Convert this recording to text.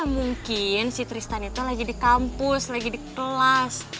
mungkin si tristan itu lagi di kampus lagi di kelas